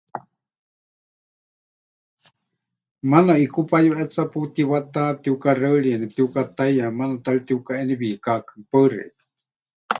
Maana ʼikú payuʼetsa putiwata, pɨtiukaxeɨrieni, pɨtiukataiyá, maana ta ri tiukaʼeni wiikákɨ. Paɨ xeikɨ́a.